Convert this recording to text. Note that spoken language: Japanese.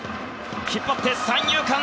引っ張って三遊間。